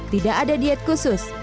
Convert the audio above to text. tidak ada diet khusus